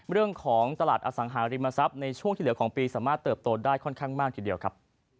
เรื่องของตลาดอสังหาริมทรัพย์ในช่วงที่เหลือของปีสามารถเติบโตได้ค่อนข้างมากทีเดียวครับ